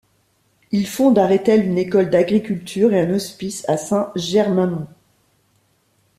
Il fonde à Rethel une école d'agriculture, et un hospice à Saint-Germainmont.